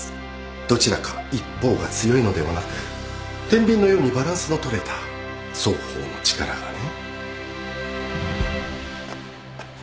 どちらか一方が強いのではなくてんびんのようにバランスのとれた双方の力がね。